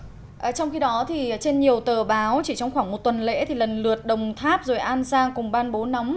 trong khi đó thì trên nhiều tờ báo chỉ trong khoảng một tuần lễ thì lần lượt đồng tháp rồi an giang cùng ban bố nắm